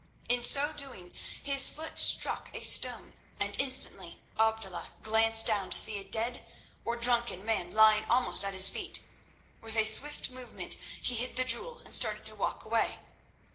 In so doing his foot struck a stone, and instantly Abdullah glanced down to see a dead or drunken man lying almost at his feet. With a swift movement he hid the jewel and started to walk away.